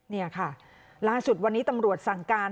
นี่ค่ะล่าสุดวันนี้ตำรวจสั่งการ